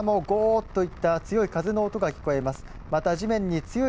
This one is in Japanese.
こちらもゴーっといった強い風の音が聞こえます。